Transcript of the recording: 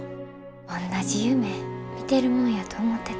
おんなじ夢見てるもんやと思ってた。